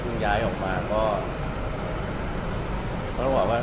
หลังจากออกมาจากเดือนหอแล้วหน่อยจากบ้านแล้ว